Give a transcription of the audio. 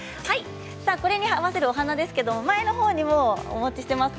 これに合わせるお花ですけども前のほうにもうお持ちしています。